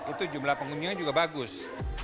itu jumlah pengunjungnya juga bagus